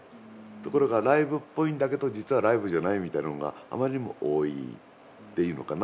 ところがライブっぽいんだけど実はライブじゃないみたいなのがあまりにも多いっていうのかな。